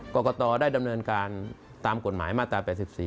กรกตได้ดำเนินการตามกฎหมายมาตรา๘๔